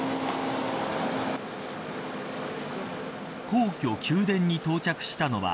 皇居宮殿に到着したのは